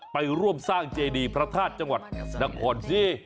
ไปร่วมสร้างเจดีพระธาตุจังหวัดนครสิ